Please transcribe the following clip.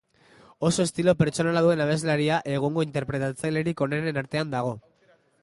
Oso estilo pertsonala duen abeslaria egungo interpretatzailerik onenen artean dago.